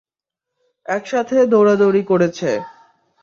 একসাথে দৌড়াদৌড়ি করেছে।